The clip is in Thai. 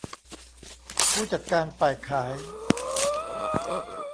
ผู้จัดการฝ่ายขาย